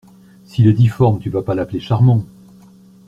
S’il est difforme, tu vas pas l’appeler Charmant.